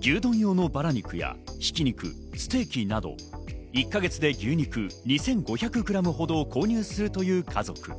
牛丼用のバラ肉やひき肉、ステーキなど１か月で牛肉２５００ｇほどを購入するという家族。